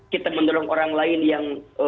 kita mendorong orang lain yang